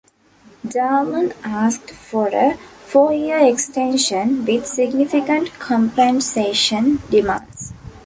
Dallman asked for a four-year extension with significant compensation demands.